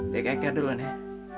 dikeker dulu nih